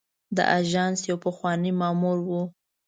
د آژانس یو پخوانی مامور و.